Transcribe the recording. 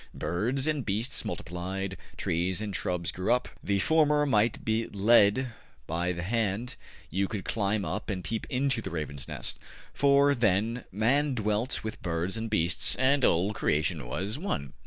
Birds and beasts multiplied, trees and shrubs grew up. The former might be led by the hand; you could climb up and peep into the raven's nest. For then man dwelt with birds and beasts, and all creation was one.